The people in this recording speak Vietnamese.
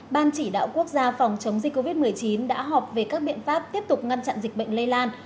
ban chỉ đạo quốc gia phòng chống dịch covid một mươi chín đã họp về các biện pháp tiếp tục ngăn chặn dịch bệnh lây lan